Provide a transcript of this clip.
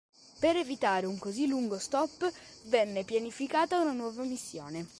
Per evitare un così lungo stop venne pianificata una nuova missione.